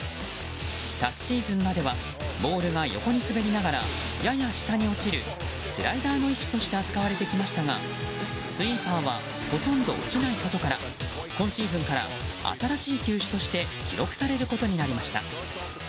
昨シーズンまではボールが横に滑りながらやや下に落ちるスライダーの一種として扱われてきましたがスイーパーはほとんど落ちないことから今シーズンから新しい球種として記録されることになりました。